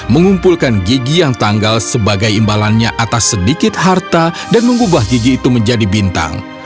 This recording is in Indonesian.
mengumpulkan gigi yang tanggal sebagai imbalannya atas sedikit harta dan mengubah gigi itu menjadi bintang